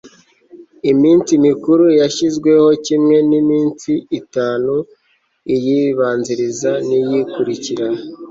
iminsi mikuru yashyizweho kimwe n'iminsi itanu iyibanziriza n'iyikurikira